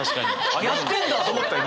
あっやってんだと思ったよ